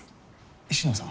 石野さん？